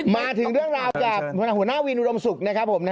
มาถึงเรื่องราวจากหัวหน้าวินอุดมศุกร์นะครับผม